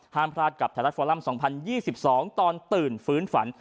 พลาดกับไทยรัฐฟอลัม๒๐๒๒ตอนตื่นฟื้นฝัน